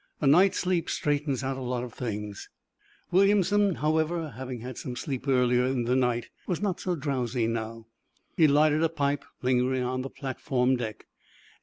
A night's sleep straightens out a lot of things." Williamson, however, having had some sleep earlier in the night, was not drowsy, now. He lighted a pipe, lingering on the platform deck.